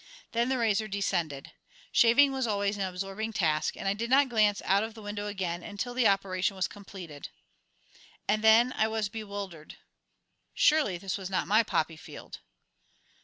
Then the razor descended. Shaving was always an absorbing task, and I did not glance out of the window again until the operation was completed. And then I was bewildered. Surely this was not my poppy field.